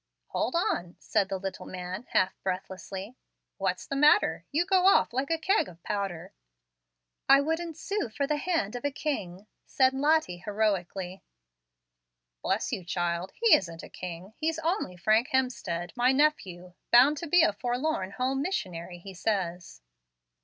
"Hold on," said the little man, half breathlessly. "What's the matter? You go off like a keg of powder." "I wouldn't sue for the hand of a king," said Lottie, heroically. "Bless you, child, he isn't a king. He's only Frank Hemstead, my nephew, bound to be a forlorn home missionary, he says."